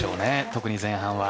特に前半は。